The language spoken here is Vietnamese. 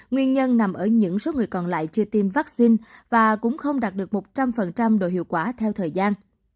nguyên nhân nằm ở những số người còn lại chưa tiêm vaccine và cũng không đạt được một trăm linh độ hiệu quả theo thời gian